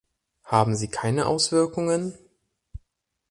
Haben sie keine Auswirkungen?